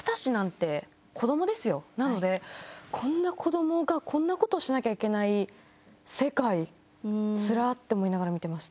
なのでこんな子どもがこんな事をしなきゃいけない世界つらっ！って思いながら見てました。